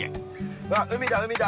わっ海だ海だ。